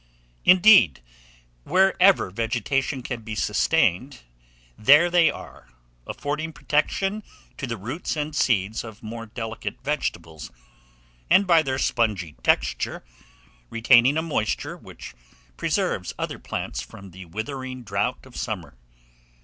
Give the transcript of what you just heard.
Indeed, wherever vegetation can be sustained, there they are, affording protection to the roots and seeds of more delicate vegetables, and, by their spongy texture, retaining a moisture which preserves other plants from the withering drought of summer.